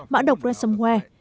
mã độc ransomware